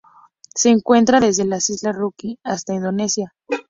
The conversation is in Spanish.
Se encuentra desde las Islas Ryukyu hasta Indonesia.